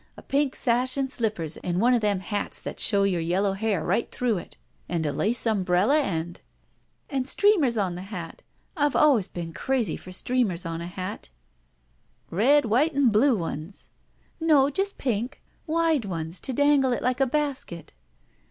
A pink sash and slippers, and one of thraa hats that show your yellow hair right through it, and a lace timbrella and —"'* And streamers oh the hat ! I Ve always been just crazy for streamers on a hat." '*Red white and blue ones!" ''No, just pink. Wide ones to dangle it like a basket."